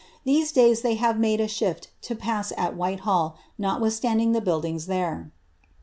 These days they have nmdc a ^hifl to ])a^8 at Whitehall, notwithstanding the buildings there."